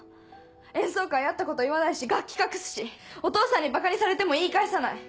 演奏会あったこと言わないし楽器隠すしお父さんにばかにされても言い返さない。